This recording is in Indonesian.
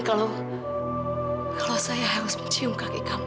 kalau saya harus mencium kaki kamu